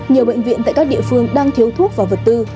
nhiều bệnh viện tại các địa phương đang thiếu thuốc và vật tư